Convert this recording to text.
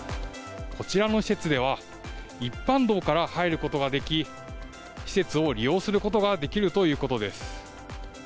こちらの施設では、一般道から入ることができ、施設を利用することができるということです。